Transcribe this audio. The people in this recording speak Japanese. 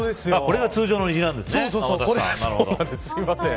これが通常の虹なんですね。